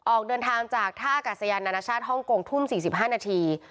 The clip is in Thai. ออกเดินทางจากท่าอากาศยานนานาชาติฮ่องกงทุ่ม๔๕นาที